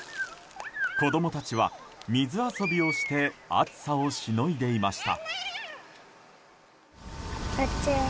子供たちは、水遊びをして暑さをしのいでいました。